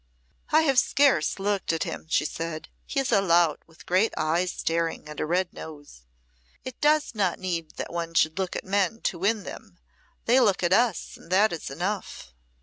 "I have scarce looked at him," she said. "He is a lout, with great eyes staring, and a red nose. It does not need that one should look at men to win them. They look at us, and that is enough."